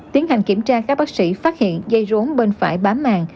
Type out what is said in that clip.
tiến hành kiểm tra các bác sĩ phát hiện dây rốn bên phải bám màng